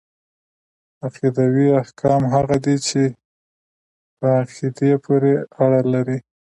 عقيدوي احکام هغه دي چي په عقيدې پوري اړه لري .